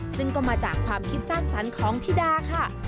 ซึ่งก็มาจากความคิดสร้างสรรค์ของพี่ดาค่ะ